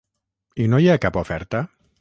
I no hi ha cap oferta?